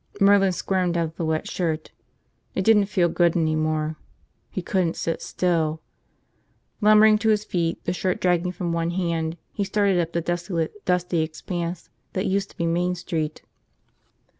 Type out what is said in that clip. Merlin squirmed out of the wet shirt. It didn't feel good any more. He couldn't sit still. Lumbering to his feet, the shirt dragging from one hand, he started up the desolate, dusty expanse that used to be Main Street.